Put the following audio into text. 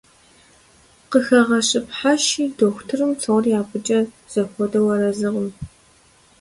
Къыхэгъэщыпхъэщи, дохутыр псори абыкӀэ зэхуэдэу арэзыкъым.